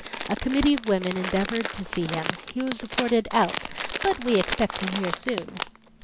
A committee of women endeavored to see him. He was reported "out. But we expect him here soon."